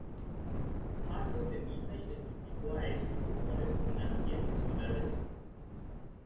Marcos de Niza identificó esos rumores con las siete ciudades.